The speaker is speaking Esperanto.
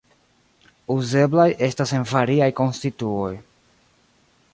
Uzeblaj estas en variaj konstituoj.